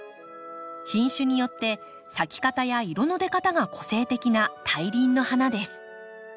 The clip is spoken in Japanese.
品種によって咲き方や色の出方が個性的な大輪の花です。